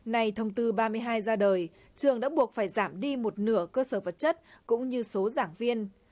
này thông tư ba mươi hai ra đời trường đã buộc phải giảm đi một nửa cơ sở vật chất cũng như số giảng viên